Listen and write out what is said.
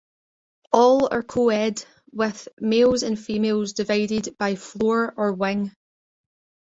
All are co-ed, with males and females divided by floor or wing.